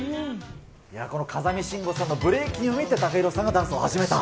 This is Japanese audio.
この風見しんごさんのブレイキンを見て、ＴＡＫＡＨＩＲＯさんがダンスを始めた。